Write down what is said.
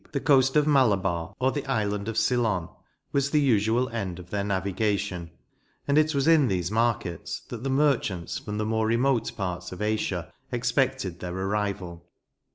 The coast of Malabar or the island of Ceylon was the usual end of their navigation, and it was in these markets that the merchants from the more remote parts of Asia expected their arrival.